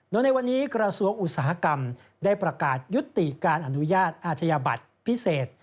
โดยในวันนี้กระทรวงอุตสาหกรรมได้ประกาศยุติการอนุญาตอาชญาบัตรพิเศษ